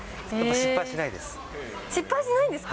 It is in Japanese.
失敗しないんですか？